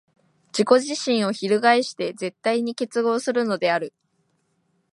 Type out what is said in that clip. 自己自身を翻して絶対に結合するのである。